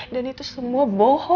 dan itu semua bohong